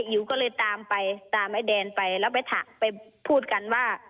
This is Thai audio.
อิ๋วก็เลยตามไปตามไอ้แดนไปแล้วไปพูดกันว่า